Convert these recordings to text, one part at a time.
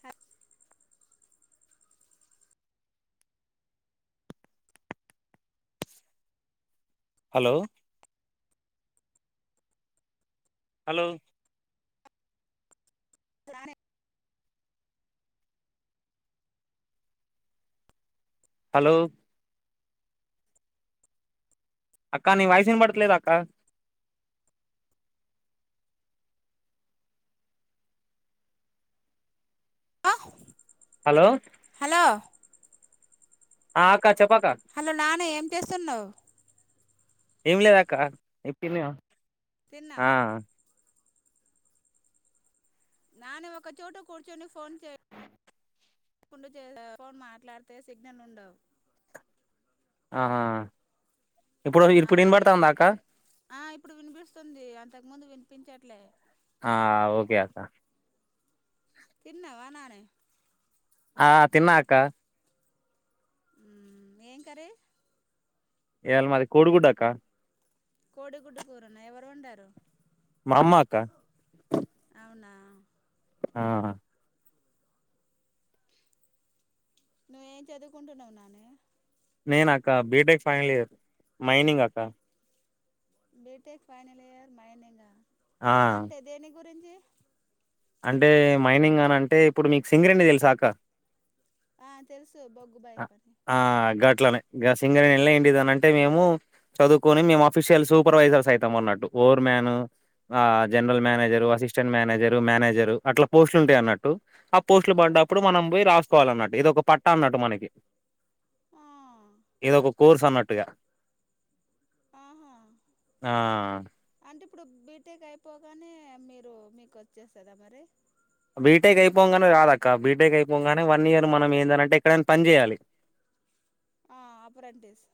హ hello hello లానేే hello అక్క నీ వయసిన పడతలేదు అక్క ఆ హలో హలో ఆ క హలో నాన్న ఏం చేస్తున్నావు్ ఏం లేదా అక్క ఎప్పున్న తిన్నా ఆ నాను ఒక చోట కూర్చొని ఫోన్ కు ఫోన్ మాట్లాడితే సిగ్నల్ ఉండవు ఆహా ఇప్పుడు ఆ ఇప్పుడు అని ఇనబడతాందాకా ఇంతకు ముందు వినిపించట్లే ఆ ఓకే అక్క తిన్నావా నాని ఆ తిన్నా అక్కా ఏం కర్రీ ఇయల మది కోడి గుడ్డు అక్క కోడి గుడ్డు కూరన ఎవరు వండారు మా అమ్మ అక్క నా ఆ నువ్వేం చదువుకుంటున్నవ్ నానే నేనక్క బీటెక్ ఫైనల్ ఇయర్ మైనింగ్ అక్క బిటెక్ ఫైనల్ ఇయర్ మైనింగా ఆ అంటే దేనిక్ గురించి అంటే మైనింగ్ అనంటే ఇప్పుడు మీకు సింగరేణి తెల్సా అక్క ఆ తెల్సు బొగ్గు బాయ్ పని ట్లనే గ సింగరేణి ఏంటిదనంటే మేము చదువుకొని మేము అఫిషియల్ సూపర్వైజర్స్ అయితాం అన్నట్టు ఓర్ మ్యాన్ ఆ general manager assistant manager manager అట్ల పోస్టులుంటయి అన్నట్టు పోస్టులు పడ్డడప్పుడు మనం పోయి రా కోవాలన్నట్ ఇది ఒక పట్ట అన్నట్టు మనకి ఇదొక కోర్స్ అన్నట్టుగా ఆహా ఆ అంటే ఇప్పుడు బీటేక్ అయిపోగానే మీరు మీకు వచ్చేస్తదా మరి బీటెక్ అయిపోంగనే రాదక్క బీటెక్ అయిపోగానే వన్ ఇయర్ మనం ఏందనంటే ఎక్కడైనా పన్ జేయాలి. ఆ అప్రెంటిస్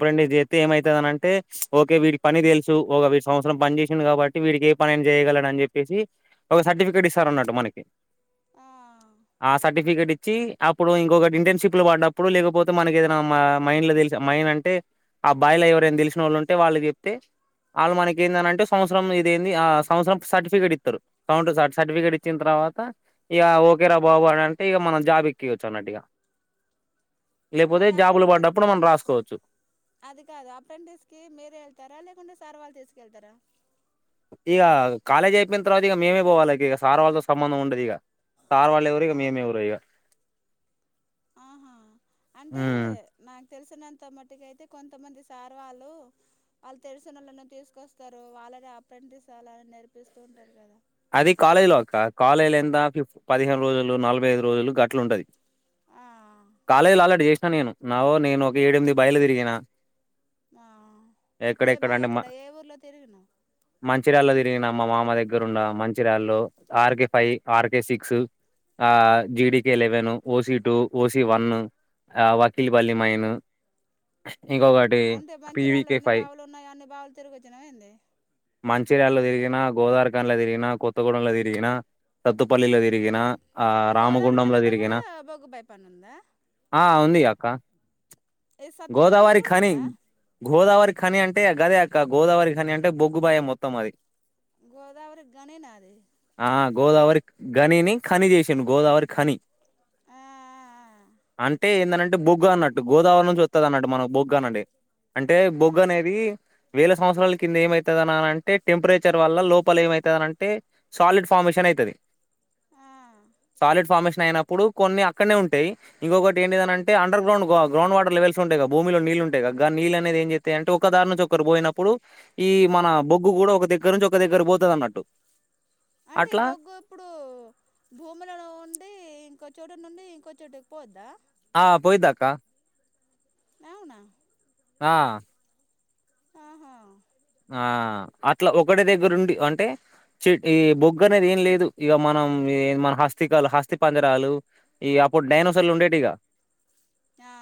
అప్రెంటిస్ ఏమైతదనంటే అంటే ఓకే వీడికి పని తెలుసు ఒక సంవత్సరం పని చేసిండు కాబట్టి వీడికి ఏ పనైనా చేయగలడని చెప్పేసి ఒక సర్టిఫికేట్ అన్నట్టు మనకి ఆ ఆ సర్టిఫికెట్ ఇ చ్చి అప్పుడు ఇంకొకటి ఇంటర్న్షిప్ లో పడ్డప్పుడు లేకపోతే మనకేదన్నా మా మైంన్ల తెల్ మైన్ అంటే ఆ బాయిల ఎవరైనా తెలిసినోళ్ళు ఉంటే వాళ్ళకి చెప్తే వాళ్ళు మనకేందనంటే సంవత్సరం ఇది ఏంది ఆ సంవత్సం సర్టిఫికేట్ ఇత్తరు కౌంట్ సర్టిఫికేట్ ఇచ్చిన తర్వాత ఇగా ఓకేరా బాబు అని అంటే ఇగ మనం జాబ్ ఎక్కియచ్చు అన్నట్టు ఇగ మరి అప్రెంటిస్కి అది కాదు అప్రెంటిస్కి మీరే ఎళ్తారా లేకుంటే సర్వాళ్లు తీస్ కెళ్తరా ఇగ కాలేజ్ అయిపోయిన్ తర్వాత మేమే పోవాలె ఇగ సార్ వాళ్ళతో సంబంధం ఉండదు ఇగ సార్ వాళ్ళు ఎవరో ఇగ ఆ మేం ఎవరో ఇగ ఆహా అంటే ఉమ్. నాక్ తెలిసినంత మటుకయితే కొంతమంది సార్ వాళ్ళు వాళ్ళు తెలిసినోల్లను తీసుకొస్తారు వాళ్ళని అప్రెంటిస్ అలా నేర్పిస్తూ ఉంటారు కదా అది కాలేజ్లో అక్క కాలేజ్ల ఎంత ఫిఫ్ పదిహేను రోజులు నలభై ఐదు రోజులు గట్లుంటది. ఆ కాలేజ్ల ఆల్రెడీ చేస్ నేను నావో నేను ఒక ఏడెమిది బాయిలు తిరిగిన ఆ ఏ ఎక్కడెక్కడ బాయ్ అంటే అక్కడ ఏ ఊర్లో తిరిగినవు చిరాల్లో తిరిన మా మామ దగ్గర ఉన్న మంచిరాల్లో ఆర్క ఫైవ్ ఆర్క సిక్స్ ఆ జిడకే eleven OC two OC one వకల్ బలి మైన్ ఇంకొకటి అంటే మంచి రాళ్ళు పివికే ఎన్ని ఫైవ్ బావులు ఉన్నాయో అన్ని బావులు తిరిగొచ్చినవ ఏంది మంచిర్యాళ తిరిగిన గోదావరిఖనిలో తిరిగిన నా కొత్తగూడెంలో తిరిగిన సత్తుపల్లిలో తిరిగిన ఆ రామగుండంలో గోదావరిఖనిలో తిరిగిన కూడా బొగ్గు భాయ్ పని ఉందా డకా ఇది సత్తుపల్లిలో కూడా గోదావరిఖాని ఉందా గోదావరి ఖని అంటే గదే అక్క గోదావరిఖనీ అంటే బొగ్గు భాయ్ మొత్తం అది గోల్ గోదావరి గానే నా అది ఆ గోదావరి గనిని ఖని చేసిండు గోదావరి ఖని ఆ, అంటే ఏందంటే బొగ్గు అన్నట్టు గోదావరి నుంచి వస్తుంది అన్నట్టు మనకు బొగ్గ అనేని అంటే ఆ, బొగ్గు అనేది వేల సంవత్సాల కింద ఏమైతది నాన్న అంట టెపేచర్ వల్ల లోపల ఏమై అంటే సాలిడ్ ఫార్మేషన్ అయితది ఆ. సాలిడ్ ఫార్మేషన్ అయినప్పుడు కొన్ని అక్కడనే ఉంటాయి ఇంకొకటి ఏంటిదంటే అండర్గ్రౌండ్ గ్రౌండ్ వాటర్ లెవెల్స్ ఉంటాయి భూమిలో నీళ్లు ఉంటాయిగా నీళ్ళ అనేది ఏం చెత్తయ్ అంటే ఒక దారి నుంచి ఒకరు పోయినప్పుడు ఈ మన బొగ్గు కూడా ఒక దగ్గర నుంచి ఒక దగ్గర పోతుంది అన్నట్టు అంటే అట్లా బొగ్గు ఇప్పుడు భూములలో ఉండి ఇంకొచ్చ చోట నుండి ఇంకోచోటక పోద్దా ఆ పోయిదాకా అవునా ఆ ఆహా ఆ అట్లా ఒకటి దగ్గరు ఉండి అంటే చె ఈ బొగ్గు అనేది ఏం లేదు ఇక మనం మన హస్తికాలు హస్తి పజరాలు ఈ అప్పుడు డైనోసర్లు ఉండేవిక ఆ,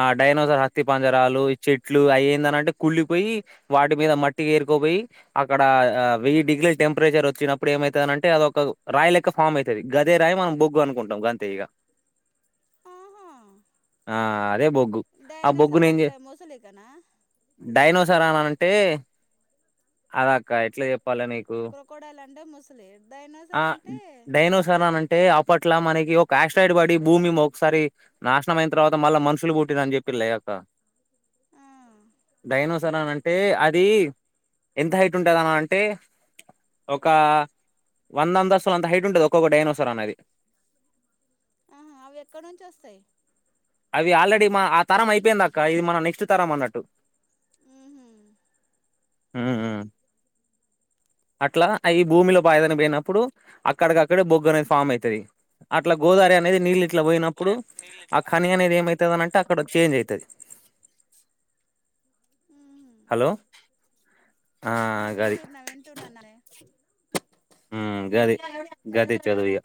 ఆ డైనోసర్ హక్తి పంజరాలు చెట్లు అవి ఏందనింటే కుళ్ళిపోయి వాటి మీద మట్టికి ఏరుకోపోయి అక్కడ వెయ్యి డిగ్రీల టెంపరేచర్ వచ్చినప్పుడు ఏమైతుందంటే అది ఒక రాయి లెక్క ఫామ్ అవుతుంది గదే రాయి మనం బొగ్గు అనుకుంటాం గదే ఈగ ఆహా ఆ దే బొగ్గు ఆ బొగ్గును డైనోసార్ ఏం చే అంటే ముసలికనా డైనోస్ తరనాన అంటే అద అక్క ఏట్లే చే క్రోకోడైల్ అంటే ముసలి ఆ డైనోసార్ అంటే డైనోసార్ అని అప్పట్లా మనకి ఒక ఆక్సైడ్ పడి భూమి మోకసరీ నాశనం అయి తర్వాత మళ్ళ మనుషులు పుట్టిరు చెప్పిల్లు లే కదా ఆ, డైనోసార్ అని అంటే అంటే అది ఎంత హైట్ ఉంటదన్న అంటే ఒక వందం దస్తులు అంత హైట్ ఉంటది ఒక్కొక్క డైనోసర్ అనిది ఆహా అవి ఎక్కడ నుంచి వస్తాయి అవి ఆల్రెడీ ఆ తరం అయిపోయింది అక్క ఇది మన నెక్స్ట్ తరం అన్నట్టు మ్మ్హ్మ్. హ అట్లా అవి భూమిలో బయదని పోయినప్పుడు అక్కడికిక్కడ బొగ్గు అనేది ఫామ్ అయితది అ ట్లా గోదారి అనేది నీళ్ళు ఇట్లా పోయినప్పుడు కానీ అనేది ఏమవుతుందినంటే అక్కడ చేంజ్ అవుతుంది మ్మ్హ్మ్. హలో ఆ గది వింటున్నా వింటున్నా నానే ఉమ్ గది గది చదురిగా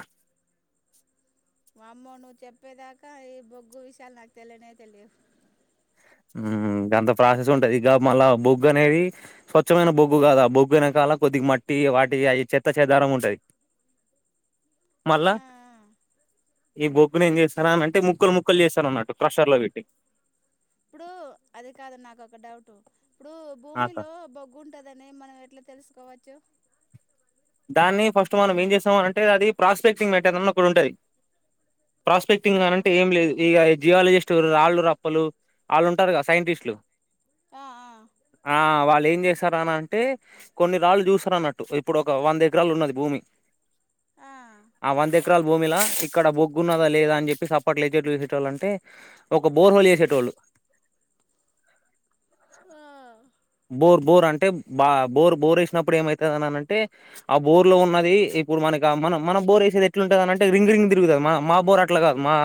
అమ్మో నువ్వు చెప్పేదాకా ఈ బొగ్గు విషయాలు నాకు తెలియనే తెలియవు గంత ప్రాసెస్ ఉంటది ఇక మళ్ళా బొగ్గు అనేది స్వచ్ఛమైన బొగ్గు కాదు ఆ బొగ్గు అనేకాల కొద్దిగా మట్టి వాటి అవి చెత్త చేదారం ఉంటది ఆ మళ్ళా ఈ బొగ్గును ఏం చేస్తార అనింటే ముక్కలు ముక్కలు చేస్తను అన్నట్టు క్రషర్ లో పెట్టి ఇప్పుడు అది కాదు నాకు ఒక డౌట్ ఇప్పుడు భూమిలో బొగ్గు ఉంటదని మనం ఎట్లా తెలుసుకోవచ్చు దాన్ని ఫస్ట్ మనం ఏం చేస్తామ అంటే అది ప్రాస్పెక్టింగ్ మట అన్న కూడా ఉంటుది ప్రాస్పెక్టింగ్ ఆ ని అంటే ఏం లేదు ఇక జియాలజిస్ట్ రాళ్ళు రప్పలు వాళ్ళు ఉంటారు కదా సైంటిస్టులు ఆ ఆ ఆ వాళ్ళ చేశారా అని అంటే కొన్ని రాళ్ళు చూసార అన్నట్టు ఇప్పుడు ఒక ఒక వంద ఎకరాలు ఉన్నది భూమి ఆ ఆ వంద ఎకరలు భూమిలా ఇక్కడ బొగ్గు ఉన్నదా లేదా అని చెప్పిసి అప్పట్ లేచేట్లు వేసేట వాళ్ళ అంటే ఒక బోర్హోల్ వేసేట వాళ్ళు బోర్ బోర్ అంటే బా బోర్ బోర్ వేసినప్పుడు ఏమవుతుందిని అంటే ఆ బోర్ లో ఉన్నది ఇప్పుడు మనకి మనం మనం బోర్ వేసేది ఎట్లుంటుందినింటే రింగ్ రింగ్ తిరుగుతుంది మా బోర్ అట్లా కాదు మా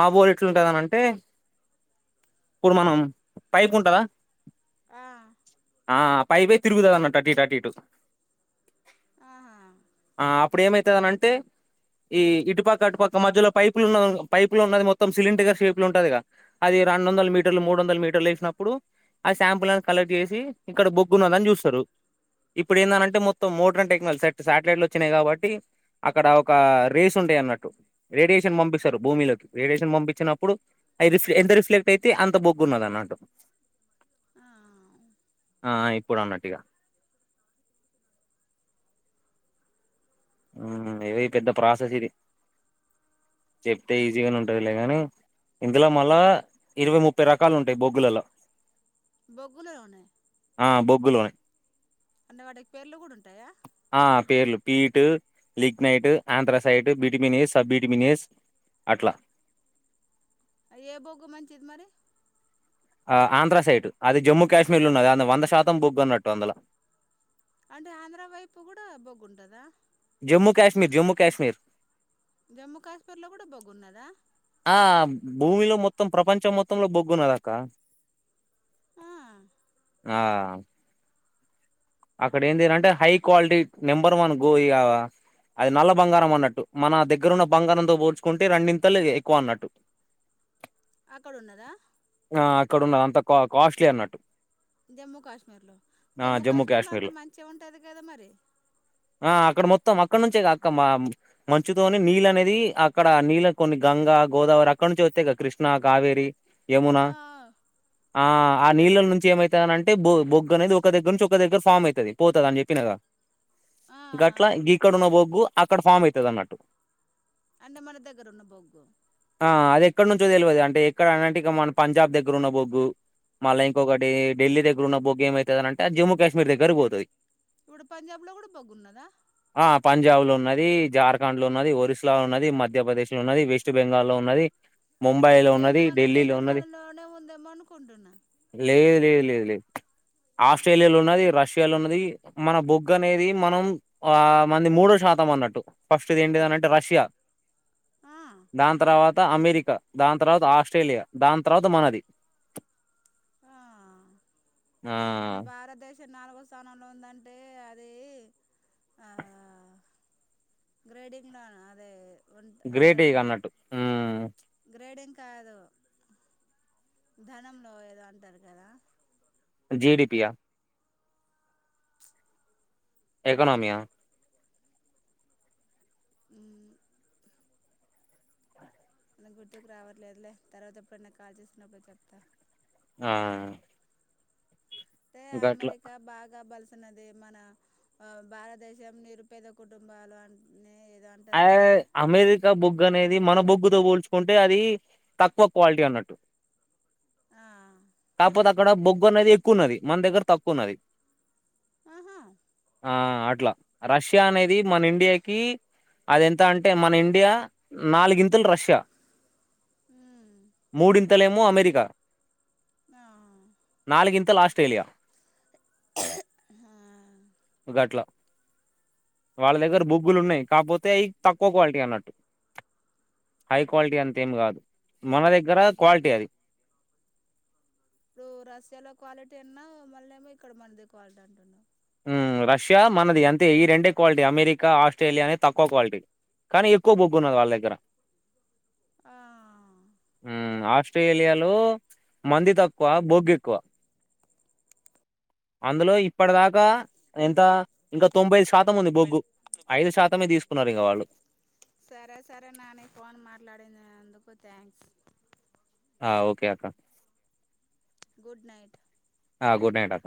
మా బోర్ ఎట్లుంటుందినంటే ఇప్పుడు మనం పైప్ ఉంటుందా ఆ ఆ పైవే తిరుగుదాన్న టటీ టర్టీటు ఆహా ఆ ఇప్పుడు ఏమైతుందనింటే ఈ ఇటుపక్క అటుపక్క మధ్యలో పైపులు ఉన్న పైపులు ఉన్నది మొత్తం సిలిండర్ గర్ షేపులు ఉంటది అది రెండు వందల మీటర్లు మూడు వందల మీటర్లు వేసినప్పుడు ఆ శాంపుల్ కలెక్ట్ చేసి ఇక్కడ బొగ్గు ఉన్నది అని చూస్తారు ఇప్పుడు ఏందనంటే మొత్తం మోటర్న్ టెక్నాల శటిలైట్ లో వచ్చినాయి కాబట్టి అక్కడ ఒక రేస్ ఉంటాయి అన్నట్టు రేడియేషన్ పంపిస్తారు భూమిలోకి రేడియేషన్ పంపించినప్పుడు అవి రిఫ ఎంత రిఫ్లెక్ట్ అయితే అంత బొగ్గు ఉన్నది అన్నట్టు ఆ ఆ ఇప్పుడు అన్నట్టుగా ఏవ పెద్ద ప్రాసెస్ ఇది చెప్తే ఈజీగానే ఉంటదిలే ని ఇందులో మళ్ళా ఇరవై ముప్పై రకాలు ఉంటాయి బొగ్గులలో బగలే అనే ఆ బొగ్గులో లోనే అంటే వాడికి పేర్లు కూడా ఉంటాయా ఆ పేర్లు peat lignite anthracite bituminous subbituminous అట్లా ఏ బొగు మంచిది మరి ఆ ఆంధ్ర సైట్ అది జమ్మూ కాశ్మీర్ లో ఉన్నది అ వంద శాతం బొగ్గనట్టు అందులో అంటే ఆంధ్ర వైపు కూడా బొగ్గుంటదా జమ్మూకాశ్మీర్ జమ్మూకాశ్మీర్ జమ్మూ కాశ్మీర్ లో కూడా బొగ్గున్నదా ఆ భూమిలో మొత్తం ప్రపంచం మొత్తంలో బొగ్గున్నదక్క ఆ ఆ అక్కడ ఏందింటంటే హై క్వాలిటీ నెంబర్ వన్ గో ఇ అది నల్ల బంగారం అన్నట్టు మన దగ్గరున్న బంగారంతో పోడ్చుకుంటే రెండింతలు ఎక్కువ అన్నట్టు అక్కడ ఉన్నదా ఆ అక్కడ ఉన్నదంత కాస్ట్లీ అన్నట్టు జమ్మూ కాశ్మీర్ లో జమ్మూ కాశ్మీర్ లో అంత మంచిగా ఉంటది కదా మరి ఆ అక్కడ మొత్తం అక్కడ నుంచే అక్క మా మంచుతోని నీళ్ అనేది అక్కడ నీళ్ళ కొన్ని గంగ గోదావరి అక్కడ నుంచి వస్తాయి కద కృష్ణ కావేరి యమున ఆ ఆ నీళ్ళల నుంచి ఏమైతనింటే బొ బొగ్గు అనేది ఒక దగ్గర నుంచి ఒక దగ్గర ఫామ్ అయితుది పోతుంది అని చెప్పినద ఆ ఆ గట్లా ఇక్కడ ఉన్న బొగ్గు అక్కడ ఫామ్ అవుతుది అన్నట్టు అంటే మన దగ్గరున్న బొగ్గు ఇక్కడ నుంచో తెల్వదు అంటే ఎక్కడ అని అంటే మన పంజాబ్ దగ్గరున్న బొగ్గు మళ్ళ ఇంకొకటి డెల్లి దగ్గరున్న బొగ్గు ఏమవుతుందనంటే జమ్మూ కాశ్మీర్ ఏగరుబోతది ఇప్పుడు పంజాబ్ లో కూడా బొగ్గు ఉన్నదా ఆ పంజాబ్ లో ఉన్నది జార్ఖండ్ లో ఉన్నది ఒరిస్లో ఉన్నది మధ్యప్రదేశ్ లో ఉన్నది వెస్ట్ బెంగాల్లో లో ఉన్నది ముంబైలో నేను ఉన్నది మన ఢిల్లీలో ఉన్నది తెలంగాణలోనే ఉందేమో అనుకుంటున్నా లేదు లేదు లేదు లేదు ఆస్ట్రేలియాలో ఉన్నది రష్యాలో ఉన్నది మన బొగ్గ అనేది మనం ఆ మంది మూడో శాతం అన్నట్టు ఫస్ట్ది ఏంటిది అనంటే రష్యా ఆ దాని తర్వాత అమెరికా దాని తర్వాత ఆస్ట్రేలియా దాని తర్వాత మనది ఆ ఆ చి నాలుగో స్థానంలో ఉందంటే అదీ ఆ గ్రేడింగ్ లోన్ అదే ఉం గ్రేట్ అంటారు ఇగ కదా అన్నట్టు గ్రేడింగ్ కాదు ధనంలో ఏదో అంటారు కదా జీడిపియా ఎకనమియా ఉమ్ గుర్తుకు రావట్లేదులే తర్వాత ఎప్పుడన్నా కాల్ చేస్తున్నప్పుడు చెప్తా ఆ అంటే గట్లా అమెరికా బాగా బల్ వున్నది మన ఆ భారతదేశం నిరుపేద కుటుంబాలు అని ఏదో అ అంటారు కదా అమెరికా బు బొగ్ అనేది మన బొగ్గుతో పోల్చుకుంటే అది తక్కువ క్వాలిటీ అన్నట్టు ఆ కాకపోతే అక్కడ బొగ్గు అనేది ఎక్కువన్నది మన దగ్గర తక్కువ ఉన్నది ఆహా ఆ అట్లా రష్యా అనే ఇది మన ఇండియాకి అది ఎంత అంటే మన ఇండియా నాలుగింతులు రష్యా ఉమ్ మూడింతలేం అమెరికా ఆ నాలుగిం తల ఆస్ట్రేలియా ఆ గట్లా వాళ్ళ దగ్గర బొగ్గులు ఉన్నాయి కాకపోతే అవి తక్కువ క్వాలిటీ అన్నట్టు హై క్వాలిటీ అంతేం కాదు మన దగ్గర క్వాలిటీ అది ఇప్పుడు రషయాలో క్వాలిటీ అన్నా మళ్ళ ఏమో ఇక్కడ మనది క్వాలిటీ అంటున్నారు ఉమ్ రష్యా మనది అంతే ఈ రెండే క్వాలిటీ అమెరికా ఆస్ట్రేలియా అనే తక్కువ క్వాలిటీ కానీ ఎక్కువ బొగ్గు ఉన్నది వాళ్ళ దగ్గర ఆ ఉమ్ ఆస్ స్ట్రేలియాలో మంది తక్కువ బొగ్గు ఎక్కువ అందులో ఇప్పటిదాక్ ఆ ఎంత ఇంకా తొంభై శాతం ఉంది బొగ్గు ఐదు శాతమే తీసుకున్నారు ఇగ వాళ్ళు సరే సరే నాని ఫోన్ మాట్లాడినందుకు థ్యాంక్స్ ఆ ఓకే అక్క గుడ్ నైట్ ఆ గుడ్ నైట్ అక్క